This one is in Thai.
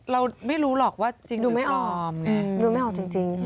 เราไม่รู้หรอกว่าจริงดูไม่ออกดูไม่ออกจริง